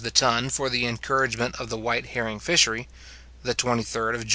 the ton for the encouragement of the white herring fishery (the 23d Geo.